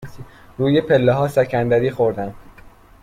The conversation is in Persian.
روی پله ها سکندری خوردم.